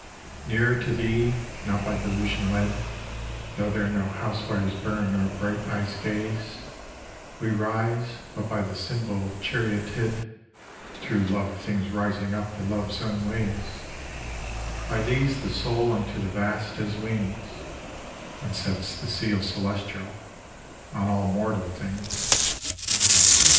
Nearer to Thee, not by delusion led, Though there no house fires burn nor bright eyes gaze We rise, but by the symbol charioted, Through loved things rising up to Love's own ways : By these the soul unto the vast has wings And sets the seal celestial on all mortal things.